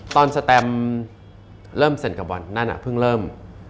ตอนแสตมเริ่มเซ็นเกอร์บอนด์นั่นอ่ะเพิ่งเริ่ม